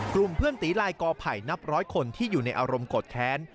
กลุ่มเพื่อนตีลายกอไผ่นับร้อยคนที่อยู่ในอารมณ์โกรธแค้น